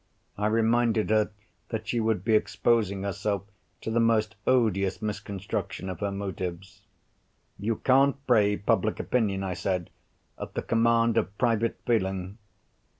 I reminded her that she would be exposing herself to the most odious misconstruction of her motives. "You can't brave public opinion," I said, "at the command of private feeling."